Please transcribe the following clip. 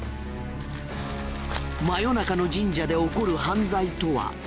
真夜中の神社で起こる犯罪とは。